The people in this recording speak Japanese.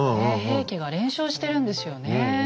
平家が連勝してるんですよね。